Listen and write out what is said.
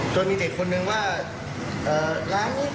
จนมีเด็กคนหนึ่งว่าร้านนี้พ่อจ๋าสายโหดจังเลย